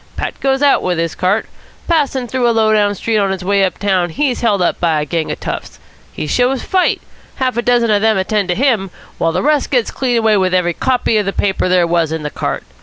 Pat goes out with his cart. Passing through a low down street on his way up town he's held up by a bunch of toughs. He shows fight. Half a dozen of them attend to him, while the rest gets clean away with every copy of the paper there was in the cart.